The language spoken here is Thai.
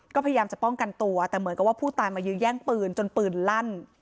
ก็พยายามจะป้องกันตัวแต่เหมือนกับว่าผู้ตายมายื้อแย่งปืนจนปืนลั่น